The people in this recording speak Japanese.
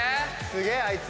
すげえあいつ。